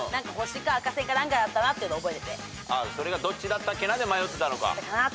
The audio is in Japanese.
それがどっちだったっけなで迷ってたのか。